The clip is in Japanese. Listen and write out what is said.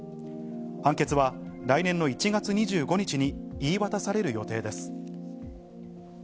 判決は来年の１月２５日に言い渡される予定です。